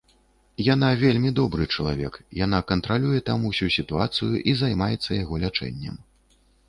Яна вельмі добры чалавек, яна кантралюе там усю сітуацыю і займаецца яго лячэннем.